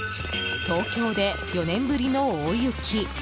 東京で４年ぶりの大雪。